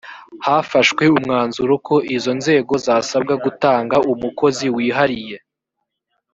hafashwe umwanzuro ko izo nzego zasabwa gutanga umukozi wihariye